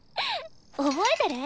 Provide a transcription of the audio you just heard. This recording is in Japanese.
覚えてる？